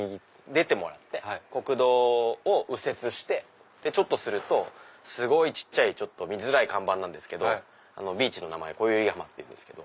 出てもらって国道を右折してちょっとするとすごい小っちゃい見づらい看板なんですけどビーチの名前こゆるぎ浜っていうんですけど。